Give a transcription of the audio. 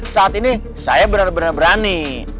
saat ini saya benar benar berani